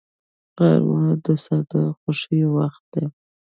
غرمه د ساده خوښیو وخت دی